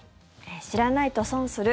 知らないと損する？